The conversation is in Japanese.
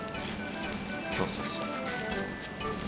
そうそうそう。